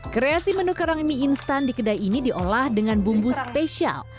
kreasi menu kerang mie instan di kedai ini diolah dengan bumbu spesial